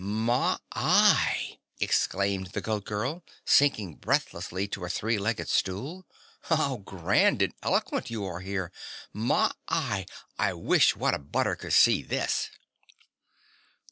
"My y!" exclaimed the Goat Girl, sinking breathlessly to a three legged stool, "how grand and elegant you are here! My y, I wish What a butter could see this!"